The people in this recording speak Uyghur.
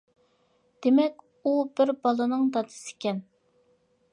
دېمەك ئۇ بىر بالىنىڭ دادىسى ئىكەن.